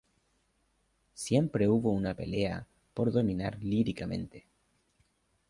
Siempre hubo una pelea por dominar líricamente.